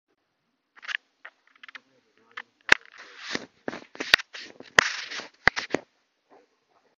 ずっと前に、廻り道などして背後や上から襲われるようなことがないように、すべてを完全にはっきり見きわめようと固く決心していたのだった。